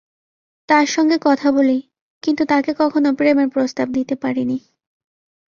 তার সঙ্গে কথা বলি, কিন্তু তাকে কখনো প্রেমের প্রস্তাব দিতে পারিনি।